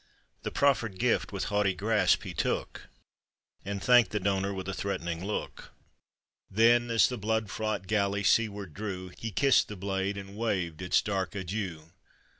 The proffered gift with haughty grasp he took, And thanked the donor with a threatening look ; Then, as the blood fraught galley seaward drew, He kissed the blade, and waved its dark adieu